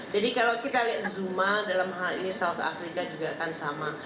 jadi kalau kita lihat zuma dalam hal ini south africa juga akan sama